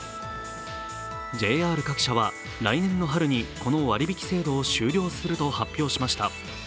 ＪＲ各社は来年の春にこの割り引き制度を終了すると発表しました。